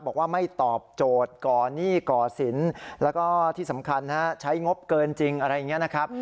บอกว่าไม่ตอบโจทย์ก่อหนี้ก่อสินแล้วก็ที่สำคัญใช้งบเกินจริงอะไรอย่างนี้นะครับ